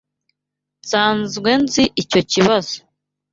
Nsanzwe nzi icyo kibazo.